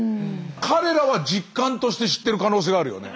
彼らは実感として知ってる可能性はあるよね。